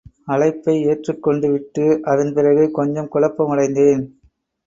அழைப்பை ஏற்றுக் கொண்டுவிட்டு அதன் பிறகு கொஞ்சம் குழப்பமடைந்தேன்.